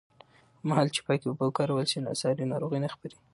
هغه مهال چې پاکې اوبه وکارول شي، ساري ناروغۍ نه خپرېږي.